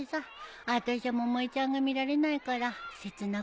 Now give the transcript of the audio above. あたしゃ百恵ちゃんが見られないから切なくて悲しくて。